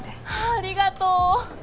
ありがとう！